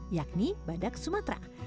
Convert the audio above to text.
yakni badak sumatera